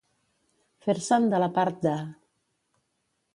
Fer-se'n de la part de.